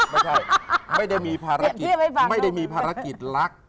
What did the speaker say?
ไม่ใช่ไม่ได้มีภารกิจรัก